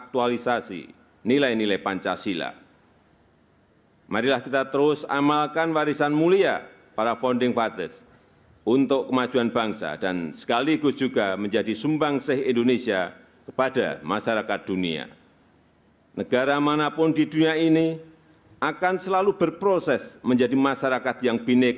tanda kebesaran buka hormat senjata